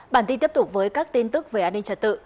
bản tin tiếp tục với các tin tức về an ninh trật tự